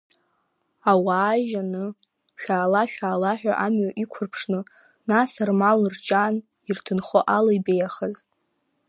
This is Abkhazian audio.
Ауаа жьаны, шәаала, шәаала ҳәа амҩа иқәырԥшны, нас рмал, рҷан ирҭынхо ала ибеиахаз.